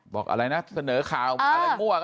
บอกอะไรนะเสนอข่าวอะไรมั่ว